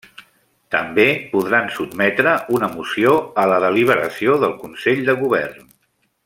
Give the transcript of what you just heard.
També podran sotmetre una moció a la deliberació del Consell de Govern.